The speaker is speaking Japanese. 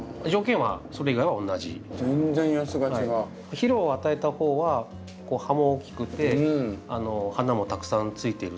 肥料を与えた方は葉も大きくて花もたくさんついている。